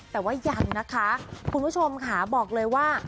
แต่ว่ายังนะคะคุณผู้ชมค่ะบอกเลยว่า